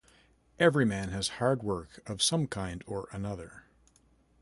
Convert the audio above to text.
Every man has hard work of some kind or another.